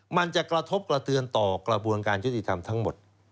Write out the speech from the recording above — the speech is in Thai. มันจะกระทบกระเทือนต่อกระบวนการยุติธรรมทั้งหมด